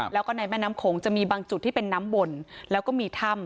แล้วก็ในแม่น้ำโขงจะมีบางจุดที่เป็นน้ำวนแล้วก็มีถ้ำ